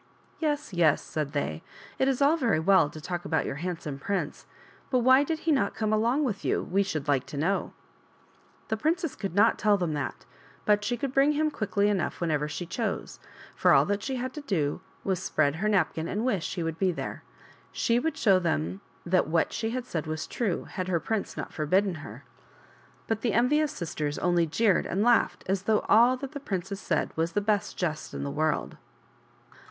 " Yes, yes," said they, " it is all very well to talk about your handsome prince ; but why did he not come along with you, we should like to know ?" The princess could not tell them that ; but she could bring him quickly enough whenever she chose, for all that she had to do was to spread her napkin and wish and he would be there. She would show them that what she had said was true, had her prince not forbidden her. But the envious sisters only jeered and laughed as though all that the princess said was the best jest in the world.